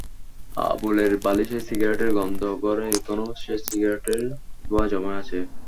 আবুলের বালিশে সিগারেটের গন্ধ, ঘরে এখনো শেষ সিগারেটের ধোঁয়া জমে আছে।